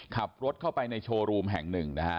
ขับรถเข้าไปในโชว์รูมแห่งหนึ่งนะฮะ